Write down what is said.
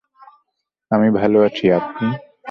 আমি ভাল আছি, আপনি?